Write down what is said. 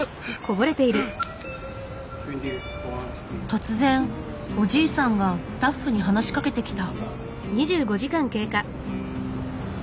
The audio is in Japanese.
突然おじいさんがスタッフに話しかけてきた。